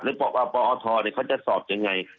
หรือบอกบ่ออธเขาจะสอบอย่างไร